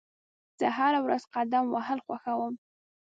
زه هره ورځ قدم وهل خوښوم.